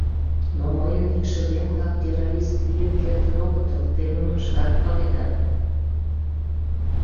Но мыйын икшывем-влак террорист лийын кертын огытыл, те нуным шкат паледа.